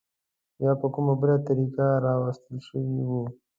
یا په کومه بله طریقه راوستل شوي وو.